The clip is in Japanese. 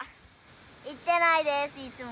行ってないですいつも。